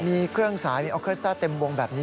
มีเครื่องสายมีออเคสต้าเต็มวงแบบนี้